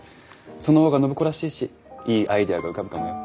その方が暢子らしいしいいアイデアが浮かぶかもよ。